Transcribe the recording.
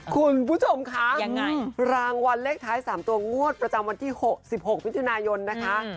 คุณผู้ชมคะยังไงรางวัลเลขท้าย๓ตัวงวดประจำวันที่๖๖มิถุนายนนะคะ